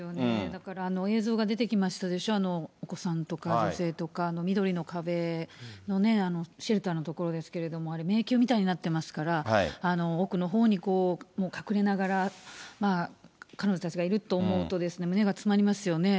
だから、映像が出てきましたでしょ、お子さんとか女性とか、緑の壁のシェルターの所ですけれども、迷宮みたいになってますから、奥のほうにもう隠れながら、彼女たちがいると思うと、胸が詰まりますよね。